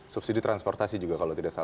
subsidi transportasi juga kalau tidak salah